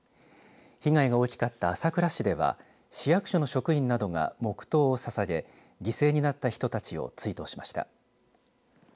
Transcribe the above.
被害が大きかった朝倉市では市役所の職員などが黙とうをささげ犠牲になった人たちを追悼しました。